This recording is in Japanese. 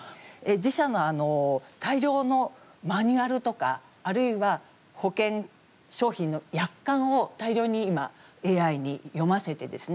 自社の大量のマニュアルとかあるいは、保険商品の約款を大量に今、ＡＩに読ませてですね。